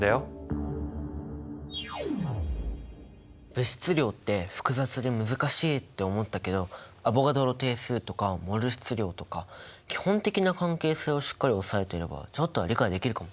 物質量って複雑で難しいと思ったけどアボガドロ定数とかモル質量とか基本的な関係性をしっかり押さえてればちょっとは理解できるかも？